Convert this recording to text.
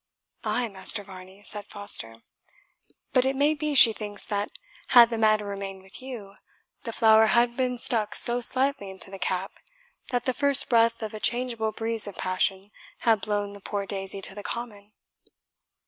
"Ay, Master Varney," said Foster; "but it may be she thinks that had the matter remained with you, the flower had been stuck so slightly into the cap, that the first breath of a changeable breeze of passion had blown the poor daisy to the common."